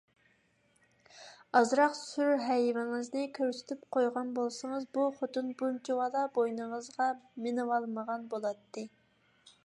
ئازراق سۈر-ھەيۋىڭىزنى كۆرسىتىپ قويغان بولسىڭىز، بۇ خوتۇن بۇنچىۋالا بوينىڭىزغا مىنىۋالمىغان بولاتتى.